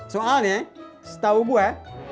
soalnya setahu gue